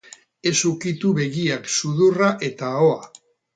Ez ukitu begiak, sudurra eta ahoa.